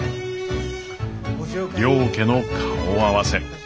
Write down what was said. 両家の顔合わせ。